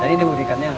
jadi ini bubur ikannya